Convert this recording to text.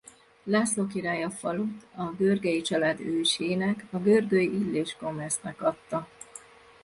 László király a falut a Görgey család ősének a görgői Illés comesnek adta.